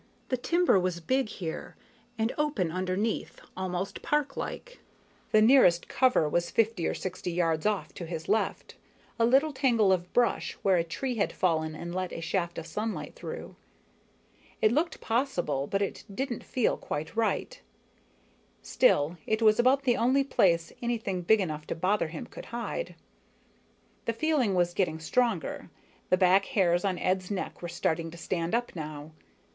The timber was big here, and open underneath, almost parklike. The nearest cover was fifty or sixty yards off to his left, a little tangle of brush where a tree had fallen and let a shaft of sunlight through. It looked possible, but it didn't feel quite right. Still, it was about the only place anything big enough to bother him could hide. The feeling was getting stronger, the back hairs on Ed's neck were starting to stand up now.